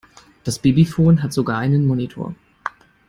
Das Babyfon hat sogar einen Monitor.